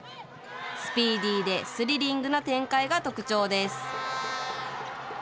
スピーディーでスリリングな展開が特徴です。